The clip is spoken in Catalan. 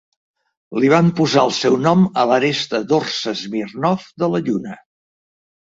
Li van posar el seu nom a l'aresta Dorsa Smirnov de la Lluna.